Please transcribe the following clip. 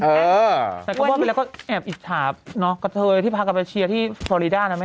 แต่ก็ว่าไปแล้วก็แอบอิจฉาเนาะกระเทยที่พากันไปเชียร์ที่ฟอรีด้านะแม่